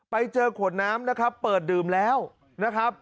ไปเจอขวดน้ำนะครับเปิดดื่มแล้วนะครับ